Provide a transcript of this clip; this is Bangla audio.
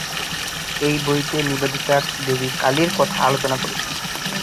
এই বইতে নিবেদিতা দেবী কালীর কথা আলোচনা করেছেন।